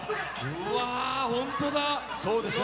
うわー、本当だ。